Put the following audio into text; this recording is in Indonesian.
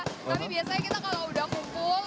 tapi biasanya kita kalau udah kumpul